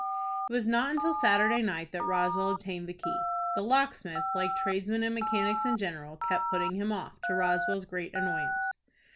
It was not until Saturday night that Roswell obtained the key. The locksmith, like tradesmen and mechanics in general, kept putting him off, to Roswell's great annoyance.